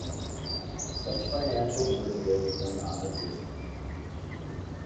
Such financial derivatives were non-existent.